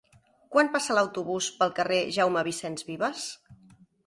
Quan passa l'autobús pel carrer Jaume Vicens i Vives?